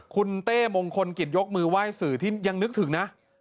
คุณเต้มงคลกิจยกมือไหว้สื่อที่ยังนึกถึงนะ